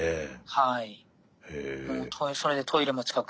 はい。